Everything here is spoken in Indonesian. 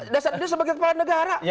dasarnya sebagai kepala negara